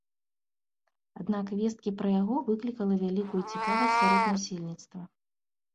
Аднак весткі пра яго выклікала вялікую цікавасць сярод насельніцтва.